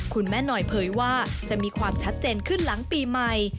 คุณแม่หน่อยเผยว่าจะมีความชัดเจนขึ้นหลังปีใหม่